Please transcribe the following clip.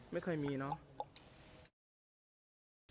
ไม่เคยมีเนอะ